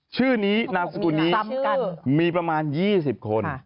ชื่อนี้นามสกุลนี้มีประมาณ๒๐คน